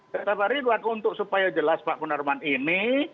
tentang perlindungan supaya jelas pak munarman ini